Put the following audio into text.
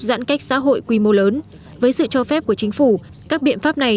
giãn cách xã hội quy mô lớn với sự cho phép của chính phủ các biện pháp này